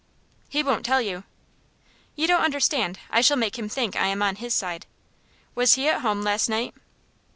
"He won't tell you." "You don't understand. I shall make him think I am on his side. Was he at home last night?"